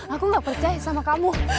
aku gak percaya sama kamu